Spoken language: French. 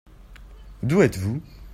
D'où êtes-vous ?